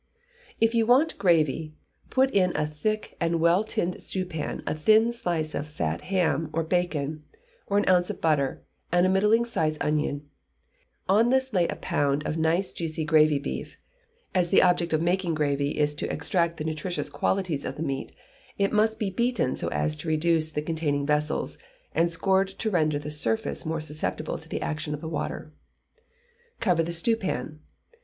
If you want gravy, put in a thick and well tinned stewpan a thin slice of fat ham or bacon, or an ounce of butter, and a middling sized onion; on this lay a pound of nice juicy gravy beef (as the object in making gravy is to extract the nutritious qualities of the meat, it must be beaten so as to reduce the containing vessels, and scored to render the surface more susceptible to the action of the water); cover the stewpan.